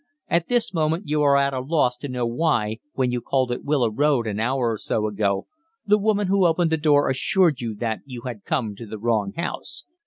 At this moment you are at a loss to know why, when you called at Willow Road an hour or so ago, the woman who opened the door assured you that you had come to the wrong house.